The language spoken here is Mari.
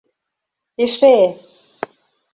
— Эше!